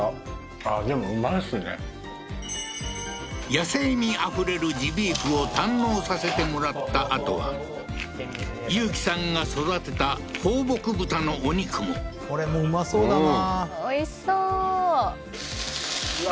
野性味あふれるジビーフを堪能させてもらったあとは雄喜さんが育てた放牧豚のお肉もこれもうまそうだなおいしそううわ